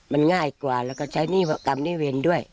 มันง่ายกว่าแล้วก็ใช้หนี้กรรมนิเวรด้วย